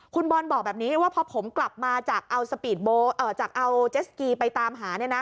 คุณบอลบอกแบบนี้ว่าพอผมกลับมาจากเอาจากเอาเจสกีไปตามหา